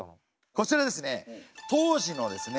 こちらですね当時のですね